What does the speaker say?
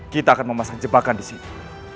kita akan memasang jebakan di sini